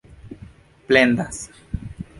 plendas